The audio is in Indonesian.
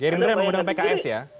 gerindra yang mau ngundang pks ya